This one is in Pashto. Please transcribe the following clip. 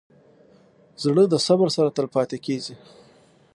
زړه د صبر سره تل پاتې کېږي.